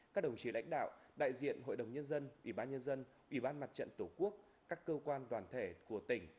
các đồng chí lãnh đạo đại diện hội đồng nhân dân ủy ban nhân dân ủy ban mặt trận tổ quốc các cơ quan đoàn thể của tỉnh